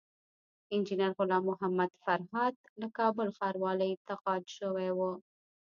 انجينر غلام محمد فرهاد له کابل ښاروالۍ تقاعد شوی وو